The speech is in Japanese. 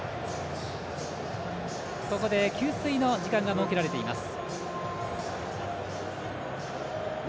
給水の時間が設けられています。